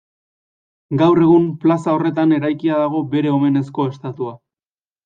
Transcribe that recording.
Gaur egun plaza horretan eraikia dago bere omenezko estatua.